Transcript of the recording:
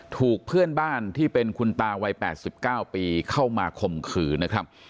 ถูกเพื่อนบ้านที่เป็นคุณตาวัย๘๙ปีเข้ามาข่มขืนนะครับ